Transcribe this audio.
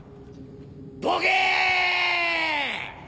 ボケ‼